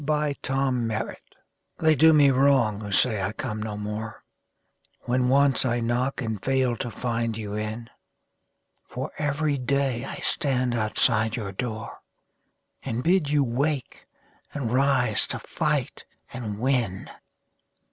OPPORTUNITY They do me wrong who say I come no more When once I knock and fail to find you in ; For every day I stand outside your door, And bid you wake, and rise to fight and win.